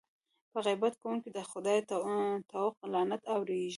په غیبت کوونکي د خدای طوق لعنت اورېږي.